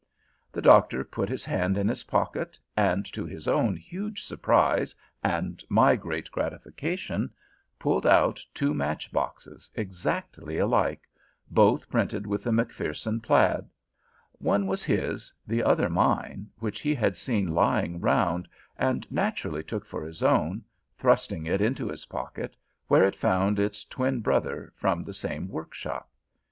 The Doctor put his hand to his pocket, and, to his own huge surprise and my great gratification, pulled out two match boxes exactly alike, both printed with the Macpherson plaid. One was his, the other mine, which he had seen lying round, and naturally took for his own, thrusting it into his pocket, where it found its twin brother from the same workshop.